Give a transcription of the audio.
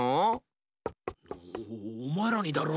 おおまえらにだろ。